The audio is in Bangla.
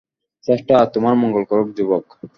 স্রষ্টা তোমার মঙ্গল করুক, যুবক!